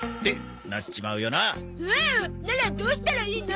ならどうしたらいいの？